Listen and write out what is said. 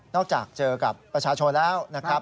จากเจอกับประชาชนแล้วนะครับ